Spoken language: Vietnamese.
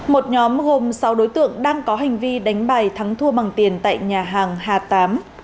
một nhóm gồm sáu đối tượng đang có hành vi đánh bài thắng thua bằng tiền tại nhà hàng hà tám